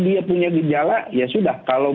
dia punya gejala ya sudah kalau